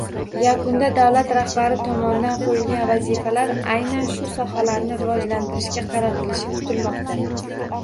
Yakunda davlat rahbari tomonidan qo'yilgan vazifalar aynan shu sohalarni rivojlantirishga qaratilishi kutilmoqda